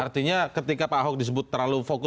artinya ketika pak ahok disebut terlalu fokus pada csr ini